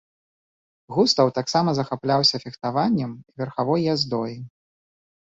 Густаў таксама захапляўся фехтаваннем і верхавой яздой.